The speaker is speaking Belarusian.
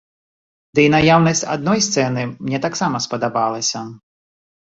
Ды і наяўнасць адной сцэны мне таксама спадабалася.